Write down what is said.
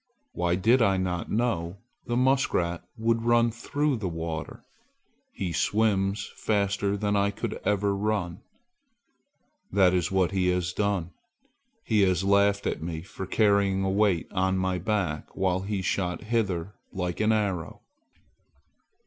Why did I not know the muskrat would run through the water? He swims faster than I could ever run! That is what he has done. He has laughed at me for carrying a weight on my back while he shot hither like an arrow!"